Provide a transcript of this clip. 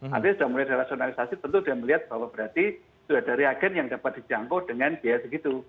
nanti sudah mulai ada rasionalisasi tentu sudah melihat bahwa berarti sudah ada reagen yang dapat dijangkau dengan biaya segitu